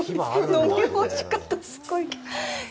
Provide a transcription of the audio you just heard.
飲み干し方、すごい。